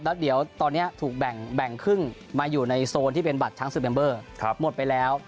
แล้วเดี๋ยวตอนนี้ถูกแบ่งครึ่งมาอยู่ในโซนที่เป็นบัตรช้างศึกเมมเบอร์หมดไปแล้ว